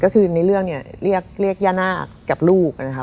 ก็คือในเรื่องนี้เรียกเรียกย้าหน้ากับลูกนะคะ